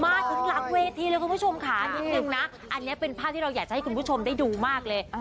มาถึงหลังเวทีเลยคุณผู้ชมค่ะนิดนึงนะอันนี้เป็นภาพที่เราอยากจะให้คุณผู้ชมได้ดูมากเลย